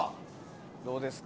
どうですか？